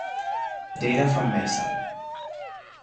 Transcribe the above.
"Data from Mason:"